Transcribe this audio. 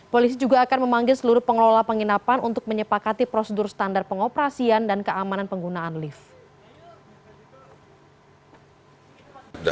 polisi juga akan memanggil seluruh pengelola penginapan untuk menyepakati prosedur standar pengoperasian dan keamanan penggunaan lift